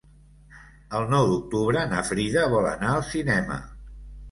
El nou d'octubre na Frida vol anar al cinema.